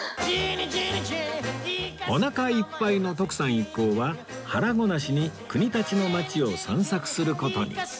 おなかいっぱいの徳さん一行は腹ごなしに国立の街を散策する事に